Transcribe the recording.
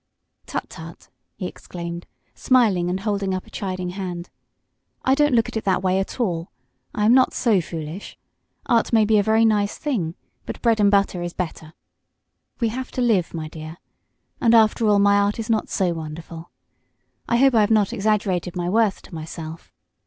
"Tut! Tut!" he exclaimed, smiling and holding up a chiding hand. "I don't look at it that way at all. I am not so foolish. Art may be a very nice thing, but bread and butter is better. We have to live, my dear. And, after all, my art is not so wonderful. I hope I have not exaggerated my worth to myself.